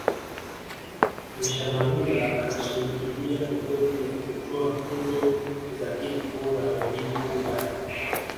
Aishi Manula anashikilia rekodi ya kutwaa tuzo za kipa bora wa Ligi Kuu Bara